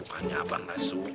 bukannya abah gak suka